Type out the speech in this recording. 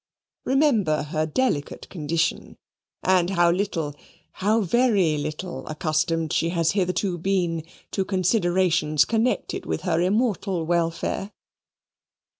Remember her delicate condition, and how little, how very little accustomed she has hitherto been to considerations connected with her immortal welfare."